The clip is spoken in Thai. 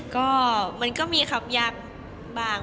ก็มันก็มีครับยากบ้าง